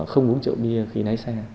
không uống trợ bia khi lái xe